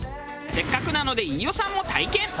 せっかくなので飯尾さんも体験。